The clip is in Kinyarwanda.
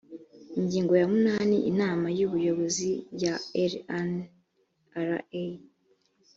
ingingo ya munani inama y’ubuyobozi ya rnra